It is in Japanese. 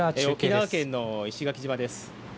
沖縄県の石垣島です。